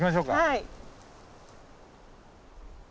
はい。